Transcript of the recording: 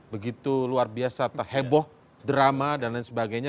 begitu luar biasa terheboh drama dan lain sebagainya